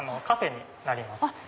カフェになります。